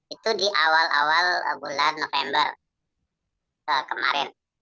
itu di awal awal bulan november kemarin